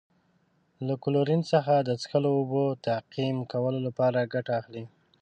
له کلورین څخه د څښلو اوبو تعقیم کولو لپاره ګټه اخلي.